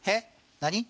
何？